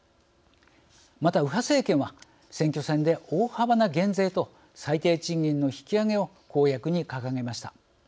また、右派政権は選挙戦で大幅な減税と最低賃金の引き上げを公約に掲げました。